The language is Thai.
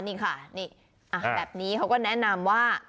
นี่ค่ะนี่แบบนี้เขาก็แนะนำว่า